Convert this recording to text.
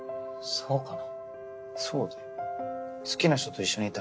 そうかな？